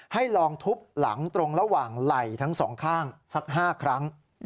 ให้ลองทุบหลังตรงระหว่างไหล่ทั้งสองข้างสัก๕ครั้ง